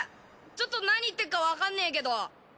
ちょっとなに言ってっかわかんねえけど？